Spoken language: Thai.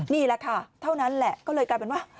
นี่แหละค่ะเท่านั้นแหละก็เลยกลายเป็นว่า